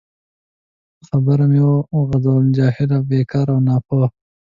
خبره مې وغځول: جاهله، بیکاره او ناپوه.